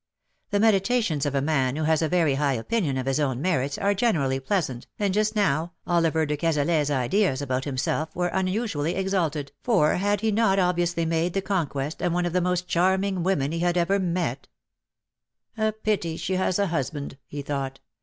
The medi tations of a man who has a very high opinion of his own merits are generally pleasant, and just now Oliver de Cazalet^s ideas about himself were unusually exalted, for had he not obviously made the conquest of one of the most charming women he had ever met. 154 '^TIME TURNS THE OLD DAYS TO DERISION /^^^ A pity she has a husband/' he thought.